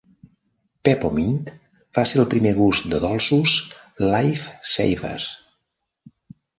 Pep-O-Mint va ser el primer gust de dolços "Life Savers".